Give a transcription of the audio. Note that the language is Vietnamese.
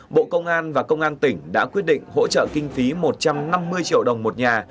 bộ công an và công an tỉnh đã quyết định hỗ trợ kinh phí một trăm năm mươi triệu đồng một nhà